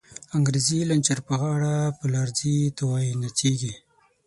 انگریزی لنچر په غاړه، په لار ځی ته وایی نڅیږی